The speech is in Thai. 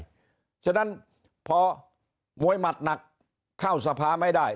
เพราะฉะนั้นพอมวยหมัดหนักเข้าสภาไม่ได้